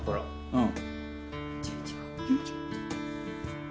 うん。